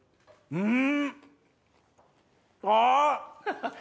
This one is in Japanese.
うん！